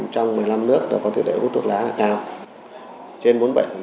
trong một mươi năm nước có tỷ lệ hút thuốc lá là cao trên bốn mươi bảy